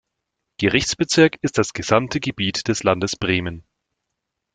Gerichtsbezirk ist das gesamte Gebiet des Landes Bremen.